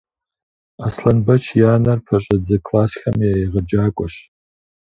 Аслъэнбэч и анэр пэщӏэдзэ классхэм я егъэджакӏуэщ.